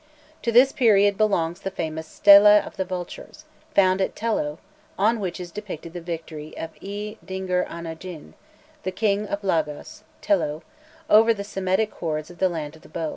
To this period belongs the famous "Stela of the Vultures" found at Tello, on which is depicted the victory of E dingir ana gin, the King of Lagas (Tello), over the Semitic hordes of the Land of the Bow.